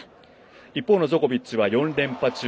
一方のジョコビッチは４連覇中。